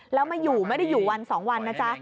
แล้วมาอยู่ไม่ได้อยู่วัน๒วันนะจ๊ะ